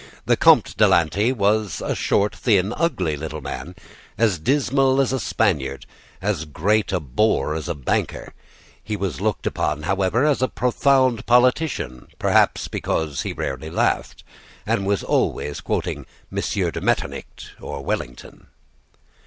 The Comte de Lanty was a short, thin, ugly little man, as dismal as a Spaniard, as great a bore as a banker. He was looked upon, however, as a profound politician, perhaps because he rarely laughed, and was always quoting M. de Metternich or Wellington.